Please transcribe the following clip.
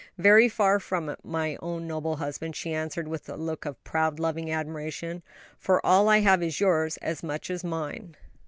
"Very far from it, my own noble husband," she answered, with a look of proud, loving admiration; "for all I have is yours as much as mine."